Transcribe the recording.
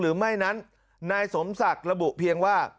หรือไม่นั้นนายสมศักดิ์ระบุเพียงว่า